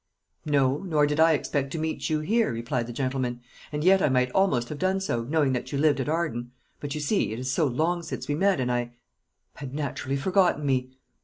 "No; nor did I expect to meet you here," replied the gentleman. "And yet I might almost have done so, knowing that you lived at Arden. But, you see, it is so long since we met, and I " "Had naturally forgotten me."